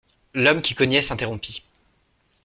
L'homme qui cognait s'interrompit.